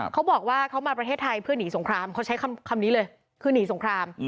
เขาบอกว่าเขามาประเทศไทยเพื่อหนีสงครามเขาใช้คำนี้เลยคือหนีสงคราม